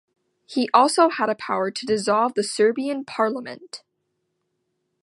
He also had a power to dissolve the Serbian Parliament.